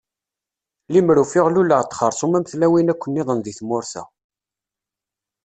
Limer ufiɣ luleɣ-d xersum am tlawin akk niḍen deg tmurt-a.